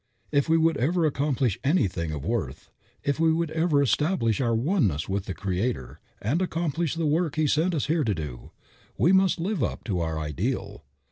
If we would ever accomplish anything of worth, if we would ever establish our oneness with the Creator, and accomplish the work He sent us here to do, we must live up to our ideal.